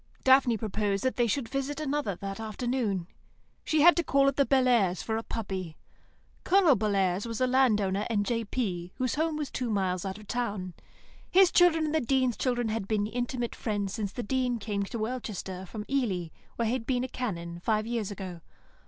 Daphne proposed that they should visit another that afternoon. She had to call at the Bellairs' for a puppy. Colonel Bellairs was a land owner and J.P., whose home was two miles out of the town. His children and the Dean's children had been intimate friends since the Dean came to Welchester from Ely, where he had been a Canon, five years ago.